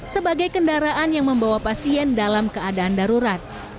sebagai kendaraan yang membawa pasien dalam keadaan darurat